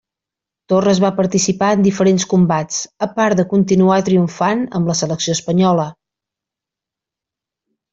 Torres va participar en diferents combats, a part de continuar triomfant amb la selecció espanyola.